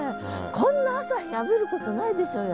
こんな朝日浴びることないでしょうよ